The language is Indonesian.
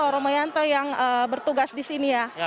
romoyanto yang bertugas di sini ya